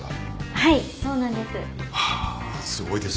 はいそうなんです。